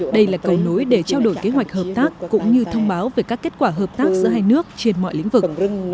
đây là cầu nối để trao đổi kế hoạch hợp tác cũng như thông báo về các kết quả hợp tác giữa hai nước trên mọi lĩnh vực